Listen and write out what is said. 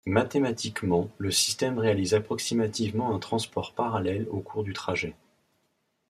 Mathématiquement le système réalise approximativement un transport parallèle au cours du trajet.